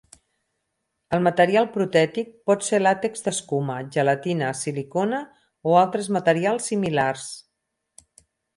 El material protètic pot ser làtex d'escuma, gelatina, silicona o altres materials similars.